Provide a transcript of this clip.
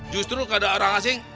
justru kalau ada orang asing